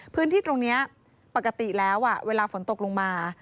พื้นที่ตรงนี้ปกติแล้วเวลาฝนตกลงมา